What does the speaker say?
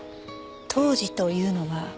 当時というのは？